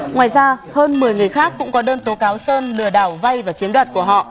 ngoài ra hơn một mươi người khác cũng có đơn tố cáo sơn lừa đảo vay và chiếm đoạt của họ